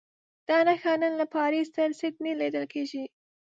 دا نښه نن له پاریس تر سیډني لیدل کېږي.